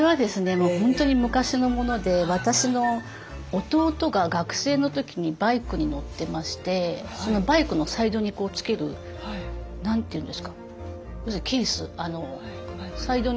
もう本当に昔のもので私の弟が学生の時にバイクに乗ってましてバイクのサイドに付ける何て言うんですか？